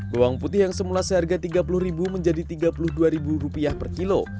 bawang putih yang semula seharga rp tiga puluh menjadi rp tiga puluh dua per kilo